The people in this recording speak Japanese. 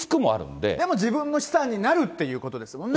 でも、自分の資産になるっていうことですもんね。